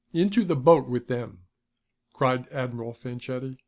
"Into the boat with them!" cried Admiral Fanchetti.